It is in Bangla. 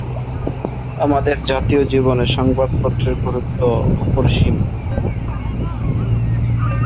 এরপর তিনি দলের সাথে ভারত গমন করেন।